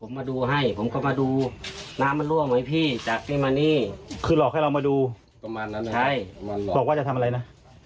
ผมมาดูให้ผมก็มาดูน้ำมันรั่วไหมพี่จากนี่มานี่คือหลอกให้เรามาดูประมาณนั้นใช่บอกว่าจะทำอะไรนะ